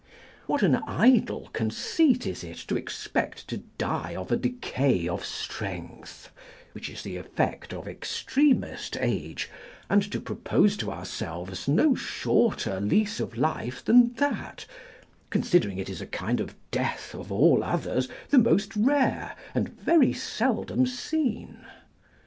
What am idle conceit is it to expect to die of a decay of strength, which is the effect of extremest age, and to propose to ourselves no shorter lease of life than that, considering it is a kind of death of all others the most rare and very seldom seen?